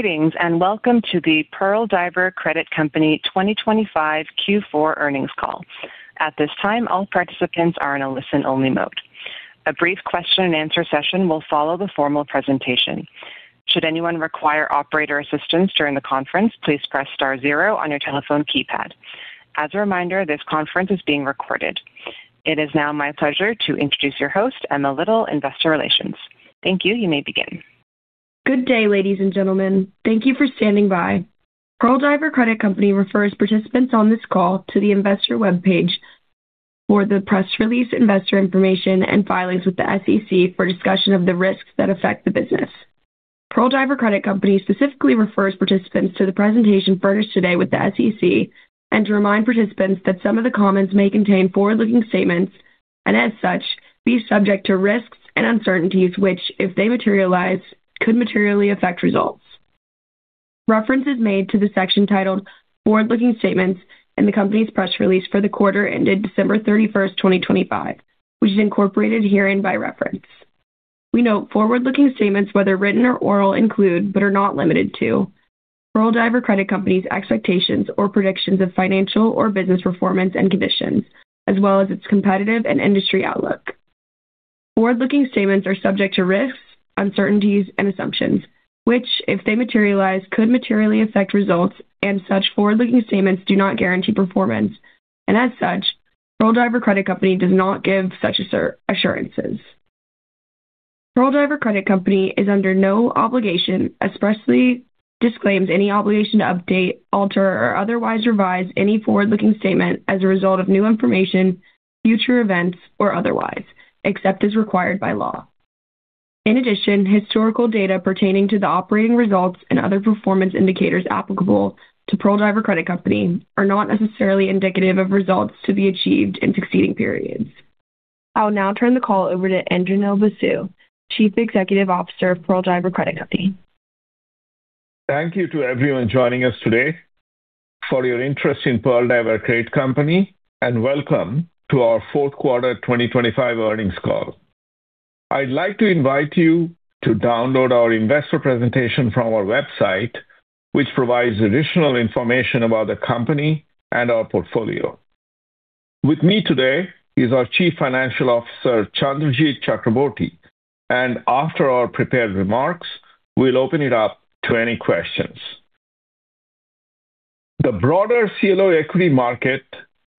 Greetings, and welcome to the Pearl Diver Credit Company 2025 Fourth Quarter Earnings Call. At this time, all participants are in a listen-only mode. A brief question and answer session will follow the formal presentation. Should anyone require operator assistance during the conference, please press star zero on your telephone keypad. As a reminder, this conference is being recorded. It is now my pleasure to introduce your host, Emma Little, Investor Relations. Thank you. You may begin. Good day, ladies and gentlemen. Thank you for standing by. Pearl Diver Credit Company refers participants on this call to the investor webpage for the press release, investor information, and filings with the SEC for discussion of the risks that affect the business. Pearl Diver Credit Company specifically refers participants to the presentation furnished today with the SEC and to remind participants that some of the comments may contain forward-looking statements and, as such, be subject to risks and uncertainties which, if they materialize, could materially affect results. Reference is made to the section titled "Forward-Looking Statements" in the company's press release for the quarter ended December 31, 2025, which is incorporated herein by reference. We note forward-looking statements, whether written or oral, include, but are not limited to, Pearl Diver Credit Company's expectations or predictions of financial or business performance and conditions, as well as its competitive and industry outlook. Forward-looking statements are subject to risks, uncertainties, and assumptions which, if they materialize, could materially affect results, and such forward-looking statements do not guarantee performance, and as such, Pearl Diver Credit Company does not give such assurances. Pearl Diver Credit Company is under no obligation, expressly disclaims any obligation to update, alter, or otherwise revise any forward-looking statement as a result of new information, future events, or otherwise, except as required by law. In addition, historical data pertaining to the operating results and other performance indicators applicable to Pearl Diver Credit Company are not necessarily indicative of results to be achieved in succeeding periods. I'll now turn the call over to Indranil Basu, Chief Executive Officer of Pearl Diver Credit Company. Thank you to everyone joining us today for your interest in Pearl Diver Credit Company, and welcome to our fourth quarter 2025 earnings call. I'd like to invite you to download our investor presentation from our website, which provides additional information about the company and our portfolio. With me today is our Chief Financial Officer, Chandrajit Chakraborty, and after our prepared remarks, we'll open it up to any questions. The broader CLO equity market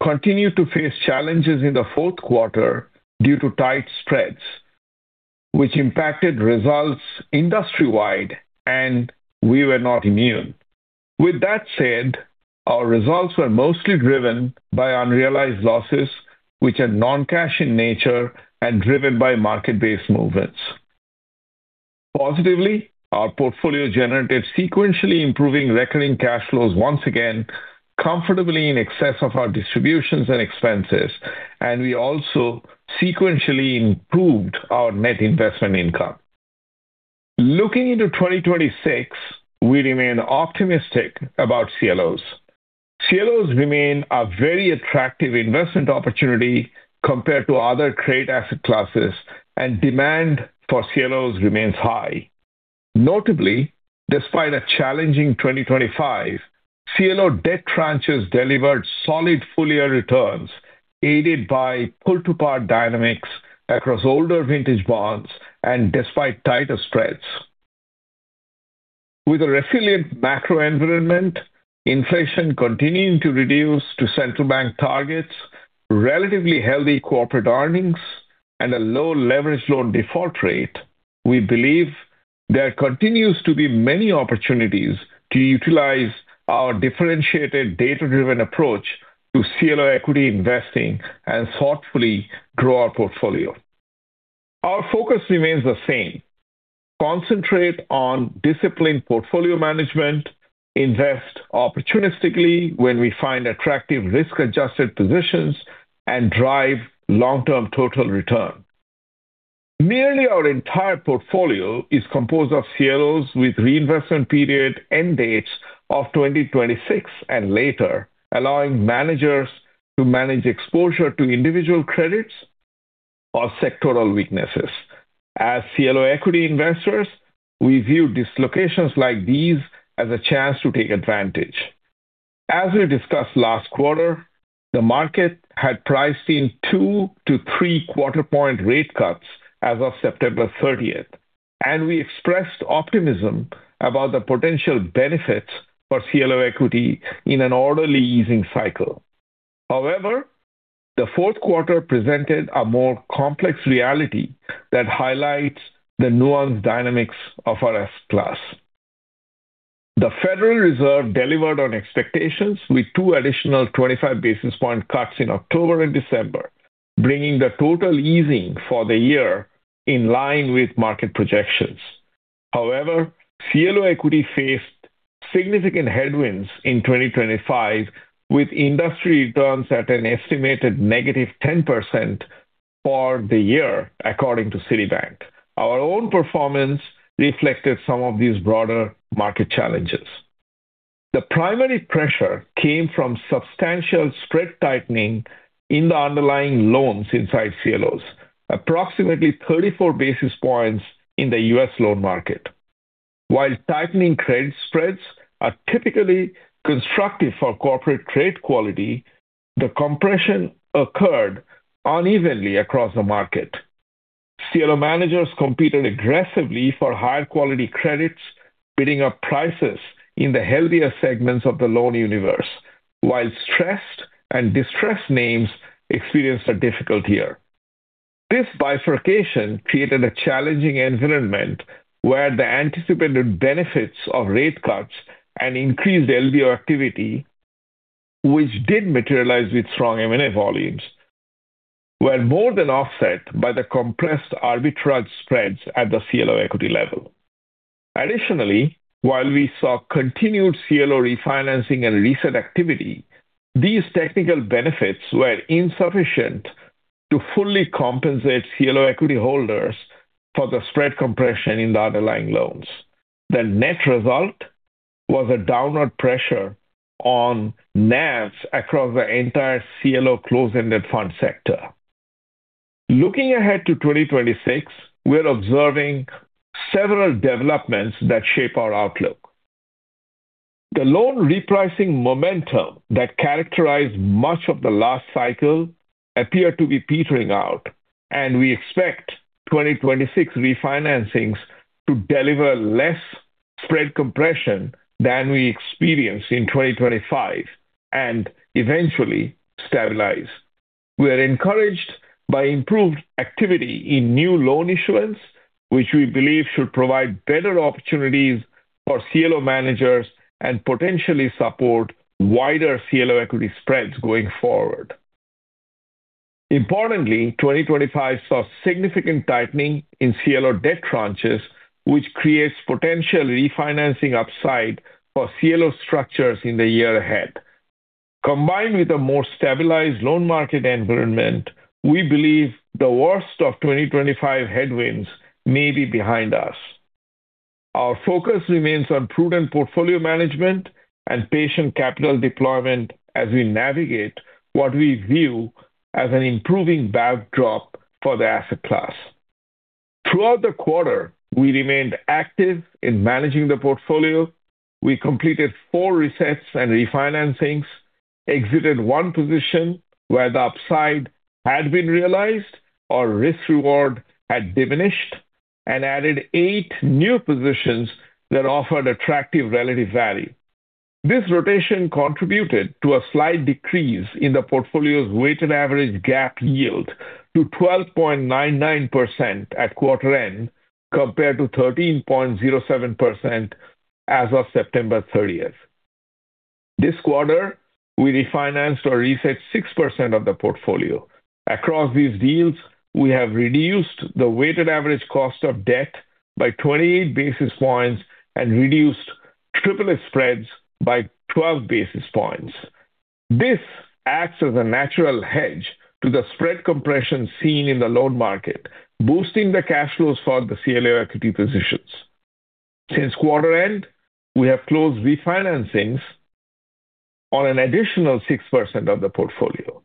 continued to face challenges in the fourth quarter due to tight spreads, which impacted results industry-wide, and we were not immune. With that said, our results were mostly driven by unrealized losses, which are non-cash in nature and driven by market-based movements. Positively, our portfolio generated sequentially improving recurring cash flows, once again comfortably in excess of our distributions and expenses, and we also sequentially improved our net investment income. Looking into 2026, we remain optimistic about CLOs. CLOs remain a very attractive investment opportunity compared to other trade asset classes, and demand for CLOs remains high. Notably, despite a challenging 2025, CLO debt tranches delivered solid full-year returns, aided by pull-to-par dynamics across older vintage bonds and despite tighter spreads. With a resilient macro environment, inflation continuing to reduce to central bank targets, relatively healthy corporate earnings, and a low leveraged loan default rate, we believe there continues to be many opportunities to utilize our differentiated data-driven approach to CLO equity investing and thoughtfully grow our portfolio. Our focus remains the same: concentrate on disciplined portfolio management, invest opportunistically when we find attractive risk-adjusted positions, and drive long-term total return. Nearly our entire portfolio is composed of CLOs with reinvestment period end dates of 2026 and later, allowing managers to manage exposure to individual credits or sectoral weaknesses. As CLO equity investors, we view dislocations like these as a chance to take advantage. As we discussed last quarter, the market had priced in two to three quarter-point rate cuts as of September 30, and we expressed optimism about the potential benefits for CLO equity in an orderly easing cycle. However, the fourth quarter presented a more complex reality that highlights the nuanced dynamics of our asset class. The Federal Reserve delivered on expectations with two additional 25 basis point cuts in October and December, bringing the total easing for the year in line with market projections. However, CLO equity faced significant headwinds in 2025, with industry returns at an estimated -10% for the year, according to Citibank. Our own performance reflected some of these broader market challenges. The primary pressure came from substantial spread tightening in the underlying loans inside CLOs, approximately 34 basis points in the U.S. loan market. While tightening credit spreads are typically constructive for corporate credit quality, the compression occurred unevenly across the market. CLO managers competed aggressively for higher quality credits, bidding up prices in the healthier segments of the loan universe, while stressed and distressed names experienced a difficult year. This bifurcation created a challenging environment where the anticipated benefits of rate cuts and increased LBO activity, which did materialize with strong M&A volumes, were more than offset by the compressed arbitrage spreads at the CLO equity level. Additionally, while we saw continued CLO refinancing and reset activity, these technical benefits were insufficient to fully compensate CLO equity holders for the spread compression in the underlying loans. The net result was a downward pressure on NAVs across the entire CLO closed-ended fund sector. Looking ahead to 2026, we're observing several developments that shape our outlook. The loan repricing momentum that characterized much of the last cycle appear to be petering out, and we expect 2026 refinancings to deliver less spread compression than we experienced in 2025, and eventually stabilize. We are encouraged by improved activity in new loan issuance, which we believe should provide better opportunities for CLO managers and potentially support wider CLO equity spreads going forward. Importantly, 2025 saw significant tightening in CLO debt tranches, which creates potential refinancing upside for CLO structures in the year ahead. Combined with a more stabilized loan market environment, we believe the worst of 2025 headwinds may be behind us. Our focus remains on prudent portfolio management and patient capital deployment as we navigate what we view as an improving backdrop for the asset class. Throughout the quarter, we remained active in managing the portfolio. We completed four resets and refinancings, exited one position where the upside had been realized or risk reward had diminished, and added eight new positions that offered attractive relative value. This rotation contributed to a slight decrease in the portfolio's weighted average GAAP yield to 12.99% at quarter end, compared to 13.07% as of September 30th. This quarter, we refinanced or reset 6% of the portfolio. Across these deals, we have reduced the weighted average cost of debt by 28 basis points and reduced triple-A spreads by 12 basis points. This acts as a natural hedge to the spread compression seen in the loan market, boosting the cash flows for the CLO equity positions. Since quarter end, we have closed refinancings on an additional 6% of the portfolio.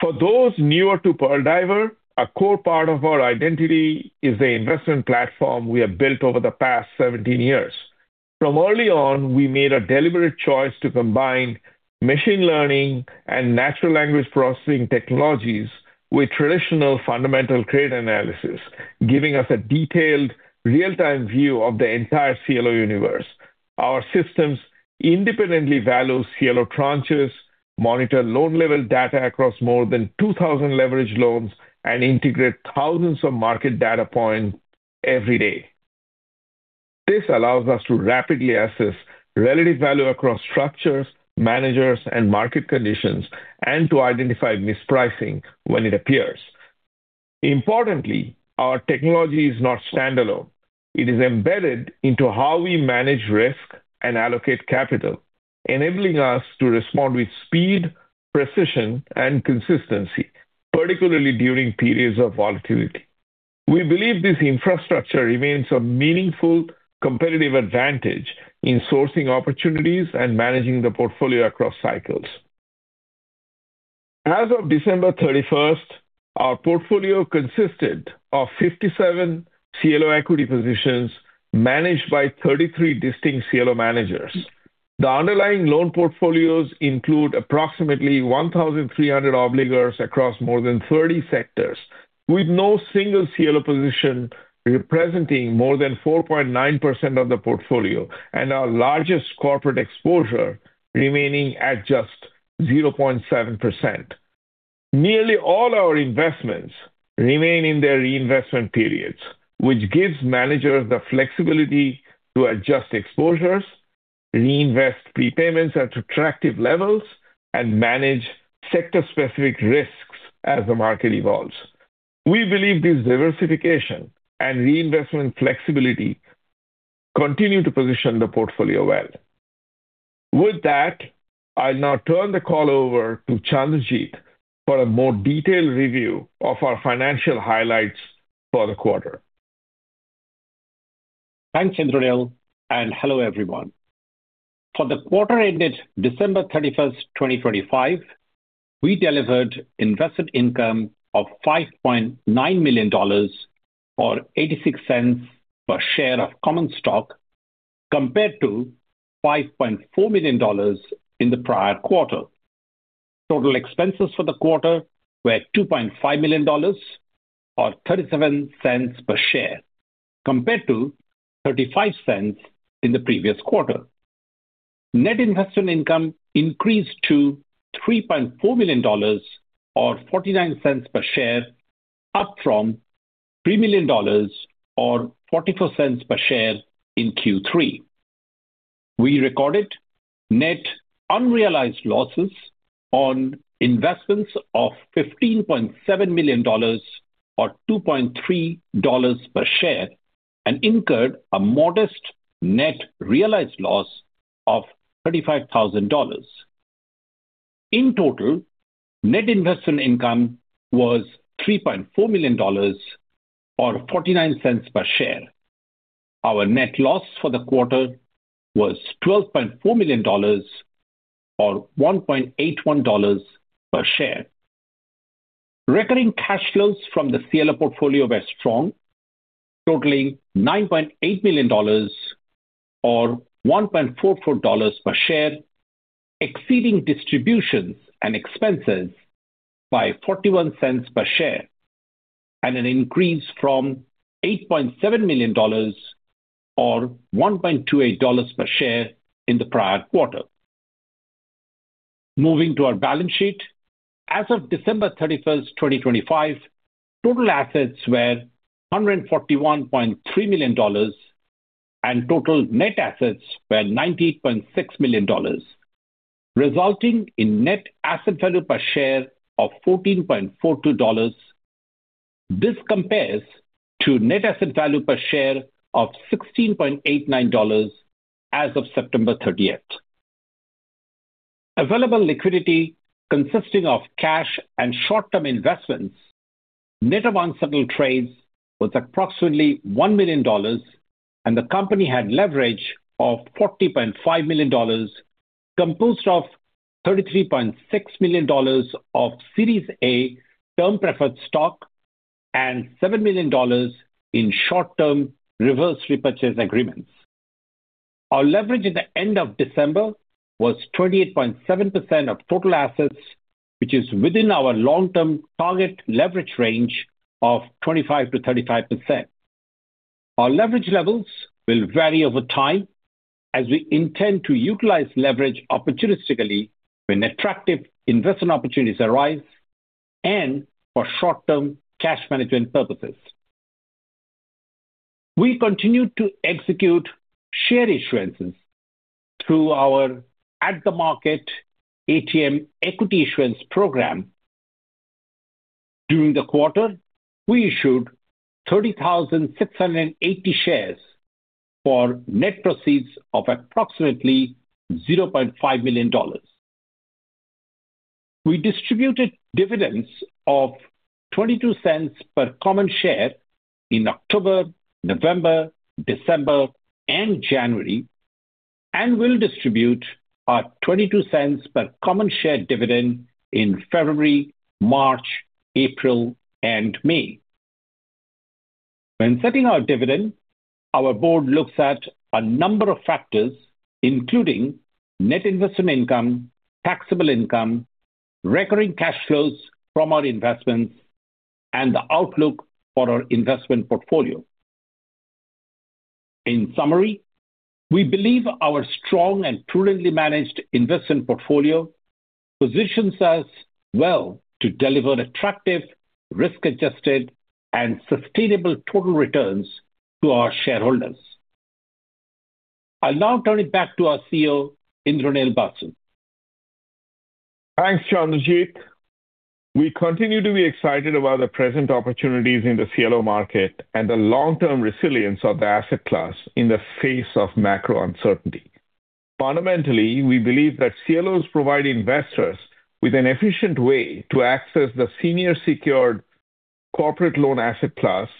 For those newer to Pearl Diver, a core part of our identity is the investment platform we have built over the past 17 years. From early on, we made a deliberate choice to combine machine learning and natural language processing technologies with traditional fundamental credit analysis, giving us a detailed, real-time view of the entire CLO universe. Our systems independently value CLO tranches, monitor loan-level data across more than 2,000 leveraged loans, and integrate thousands of market data points every day. This allows us to rapidly assess relative value across structures, managers, and market conditions, and to identify mispricing when it appears. Importantly, our technology is not standalone. It is embedded into how we manage risk and allocate capital, enabling us to respond with speed, precision, and consistency, particularly during periods of volatility. We believe this infrastructure remains a meaningful competitive advantage in sourcing opportunities and managing the portfolio across cycles. As of December 31st, our portfolio consisted of 57 CLO equity positions managed by 33 distinct CLO managers. The underlying loan portfolios include approximately 1,300 obligors across more than 30 sectors, with no single CLO position representing more than 4.9% of the portfolio, and our largest corporate exposure remaining at just 0.7%. Nearly all our investments remain in their reinvestment periods, which gives managers the flexibility to adjust exposures, reinvest prepayments at attractive levels, and manage sector-specific risks as the market evolves. We believe this diversification and reinvestment flexibility continue to position the portfolio well. With that, I'll now turn the call over to Chandrajit for a more detailed review of our financial highlights for the quarter. Thanks, Indranil, and hello, everyone. For the quarter ended December 31, 2025, we delivered investment income of $5.9 million, or $0.86 per share of common stock, compared to $5.4 million in the prior quarter. Total expenses for the quarter were $2.5 million, or $0.37 per share, compared to $0.35 in the previous quarter. Net investment income increased to $3.4 million, or $0.49 per share, up from $3 million, or $0.44 per share in Q3. We recorded net unrealized losses on investments of $15.7 million, or $2.3 per share, and incurred a modest net realized loss of $35,000. In total, net investment income was $3.4 million, or $0.49 per share. Our net loss for the quarter was $12.4 million, or $1.81 per share. Recurring cash flows from the CLO portfolio were strong, totaling $9.8 million, or $1.44 per share, exceeding distributions and expenses by $0.41 per share, and an increase from $8.7 million, or $1.28 per share in the prior quarter. Moving to our balance sheet. As of December 31, 2025, total assets were $141.3 million, and total net assets were $90.6 million, resulting in net asset value per share of $14.42. This compares to net asset value per share of $16.89 as of September 30. Available liquidity consisting of cash and short-term investments, net of unsettled trades was approximately $1 million, and the company had leverage of $40.5 million, composed of $33.6 million of Series A Term Preferred Stock and $7 million in short-term reverse repurchase agreements. Our leverage at the end of December was 28.7% of total assets, which is within our long-term target leverage range of 25%-35%. Our leverage levels will vary over time, as we intend to utilize leverage opportunistically when attractive investment opportunities arise and for short-term cash management purposes. We continue to execute share issuances through our at-the-market ATM equity issuance program. During the quarter, we issued 30,680 shares for net proceeds of approximately $0.5 million. We distributed dividends of $0.22 per common share in October, November, December, and January, and will distribute our $0.22 per common share dividend in February, March, April, and May. When setting our dividend, our board looks at a number of factors, including net investment income, taxable income, recurring cash flows from our investments, and the outlook for our investment portfolio. In summary, we believe our strong and prudently managed investment portfolio positions us well to deliver attractive, risk-adjusted, and sustainable total returns to our shareholders. I'll now turn it back to our CEO, Indranil Basu. Thanks, Chandrajit. We continue to be excited about the present opportunities in the CLO market and the long-term resilience of the asset class in the face of macro uncertainty. Fundamentally, we believe that CLOs provide investors with an efficient way to access the senior secured corporate loan asset class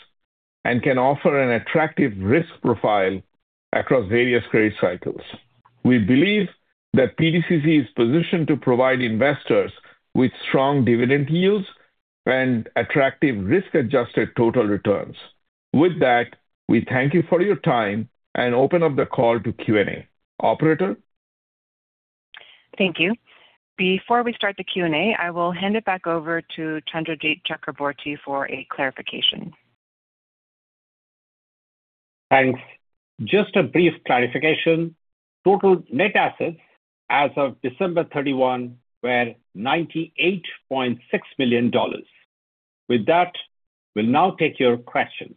and can offer an attractive risk profile across various credit cycles. We believe that PDCC is positioned to provide investors with strong dividend yields and attractive risk-adjusted total returns. With that, we thank you for your time and open up the call to Q&A. Operator? Thank you. Before we start the Q&A, I will hand it back over to Chandrajit Chakraborty for a clarification. Thanks. Just a brief clarification. Total net assets as of December 31 were $98.6 million. With that, we'll now take your questions.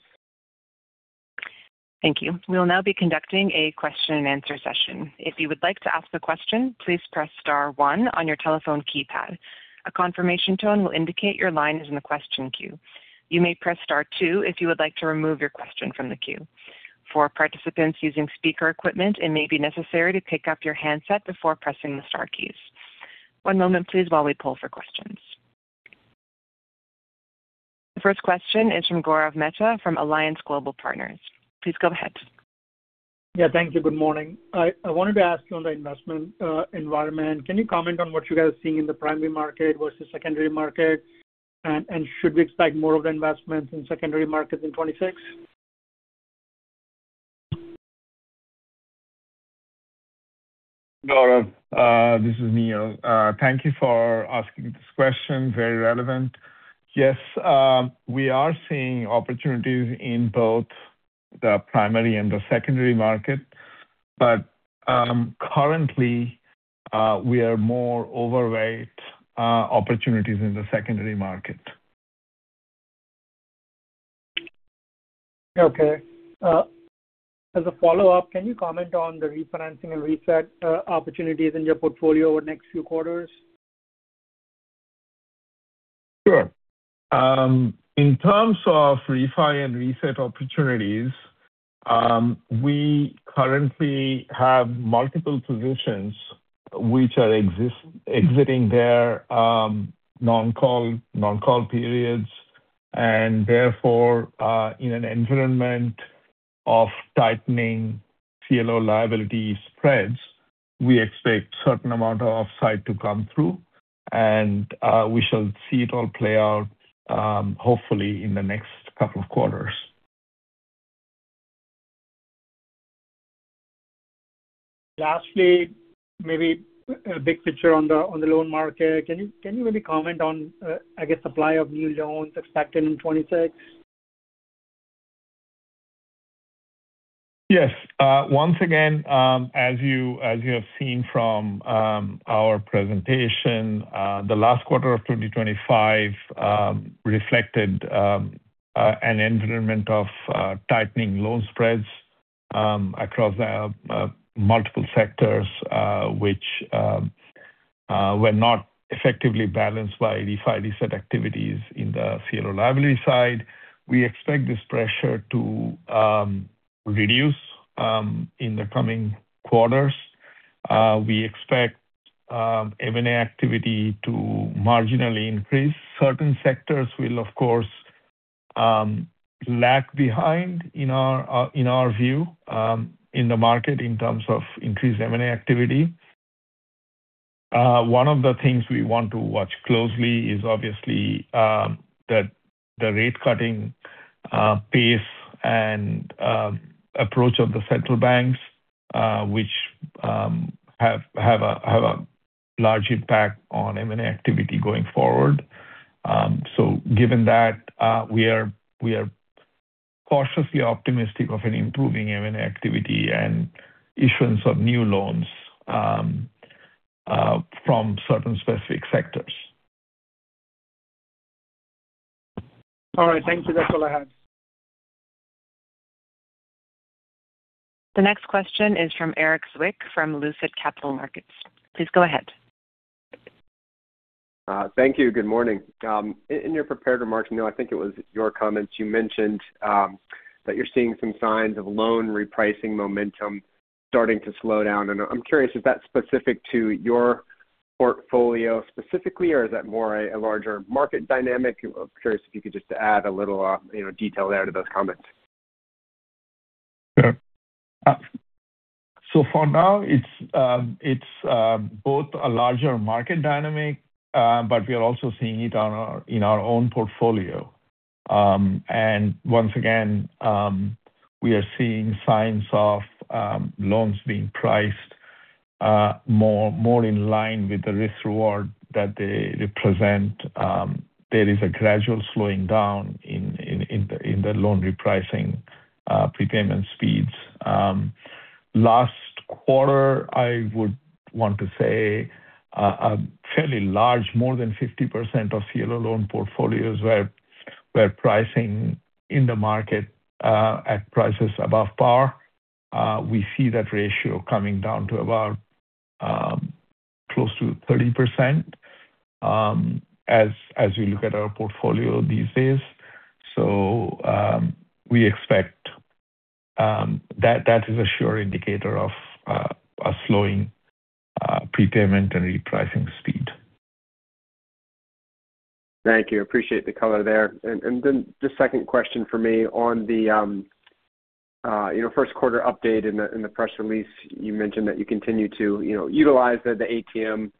Thank you. We'll now be conducting a question and answer session. If you would like to ask a question, please press star one on your telephone keypad. A confirmation tone will indicate your line is in the question queue. You may press star two if you would like to remove your question from the queue. For participants using speaker equipment, it may be necessary to pick up your handset before pressing the star keys. One moment please while we poll for questions. First question is from Gaurav Mehta from Alliance Global Partners. Please go ahead. Yeah, thank you. Good morning. I wanted to ask you on the investment environment. Can you comment on what you guys are seeing in the primary market versus secondary market? And should we expect more of the investments in secondary markets in 2026? Gaurav, this is Neil. Thank you for asking this question. Very relevant. Yes, we are seeing opportunities in both the primary and the secondary market, but, currently, we are more overweight opportunities in the secondary market. Okay. As a follow-up, can you comment on the refinancing and reset opportunities in your portfolio over the next few quarters? Sure. In terms of refi and reset opportunities, we currently have multiple positions which are exiting their non-call periods. Therefore, in an environment of tightening CLO liability spreads, we expect a certain amount of upside to come through, and we shall see it all play out, hopefully in the next couple of quarters. Lastly, maybe a big picture on the loan market. Can you maybe comment on, I guess, supply of new loans expected in 2026? Yes. Once again, as you have seen from our presentation, the last quarter of 2025 reflected an environment of tightening loan spreads across multiple sectors, which were not effectively balanced by refi-reset activities in the CLO liability side. We expect this pressure to reduce in the coming quarters. We expect M&A activity to marginally increase. Certain sectors will, of course, lag behind in our view in the market in terms of increased M&A activity. One of the things we want to watch closely is obviously the rate cutting pace and approach of the central banks, which have a large impact on M&A activity going forward. Given that, we are cautiously optimistic of an improving M&A activity and issuance of new loans from certain specific sectors. All right. Thank you. That's all I have. The next question is from Erik Zwick, from Lucid Capital Markets. Please go ahead. Thank you. Good morning. In your prepared remarks, Neil, I think it was your comments, you mentioned that you're seeing some signs of loan repricing momentum starting to slow down, and I'm curious, is that specific to your portfolio specifically, or is that more a larger market dynamic? I'm curious if you could just add a little, you know, detail there to those comments. Sure. So for now, it's both a larger market dynamic, but we are also seeing it in our own portfolio. And once again, we are seeing signs of loans being priced more, more in line with the risk reward that they represent. There is a gradual slowing down in the loan repricing prepayment speeds. Last quarter, I would want to say, a fairly large, more than 50% of CLO loan portfolios were pricing in the market at prices above par. We see that ratio coming down to about close to 30%, as we look at our portfolio these days. So, we expect that that is a sure indicator of a slowing prepayment and repricing speed. Thank you. Appreciate the color there. And then the second question for me on the first quarter update. In the press release, you mentioned that you continue to, you know, utilize the ATM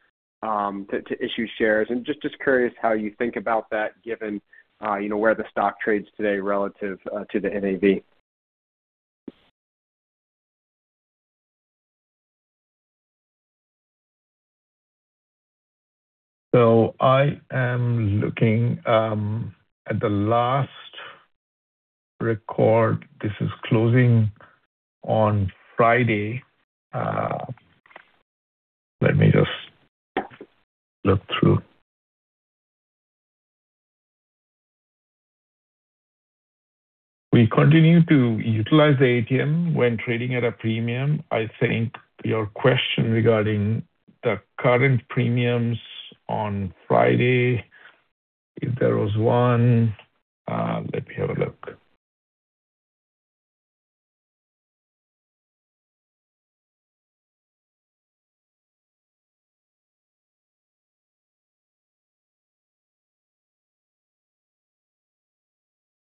to issue shares, and just curious how you think about that, given you know where the stock trades today relative to the NAV. I am looking at the last record. This is closing on Friday. Let me just look through. We continue to utilize the ATM when trading at a premium. I think your question regarding the current premiums on Friday, if there was one, let me have a look.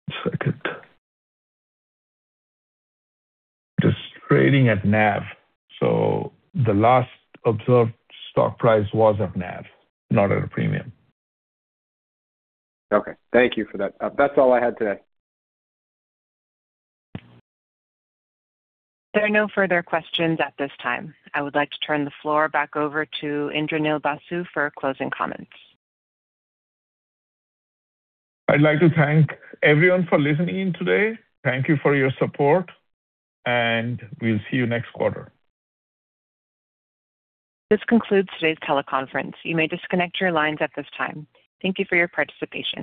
One second. Just trading at NAV, so the last observed stock price was at NAV, not at a premium. Okay. Thank you for that. That's all I had today. There are no further questions at this time. I would like to turn the floor back over to Indranil Basu for closing comments. I'd like to thank everyone for listening in today. Thank you for your support, and we'll see you next quarter. This concludes today's teleconference. You may disconnect your lines at this time. Thank you for your participation.